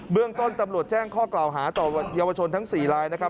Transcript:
เรื่องต้นตำรวจแจ้งข้อกล่าวหาต่อเยาวชนทั้ง๔ลายนะครับ